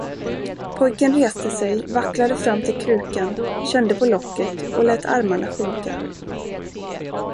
Pojken reste sig, vacklade fram till krukan, kände på locket och lät armarna sjunka.